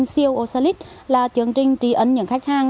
tôi có chương trình siêu osalis là chương trình trí ấn những khách hàng